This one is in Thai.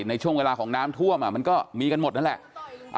ในช่วงเวลาของน้ำท่วมมันก็มีกันหมดนั่นแหละ